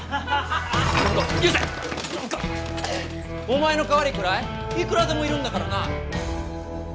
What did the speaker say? お前の代わりくらいいくらでもいるんだからな！